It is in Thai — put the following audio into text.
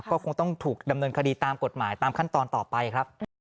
ก็คงต้องถูกดำเนินคดีตามกฎหมายตามขั้นตอนต่อไปครับ